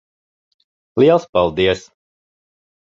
Liels paldies.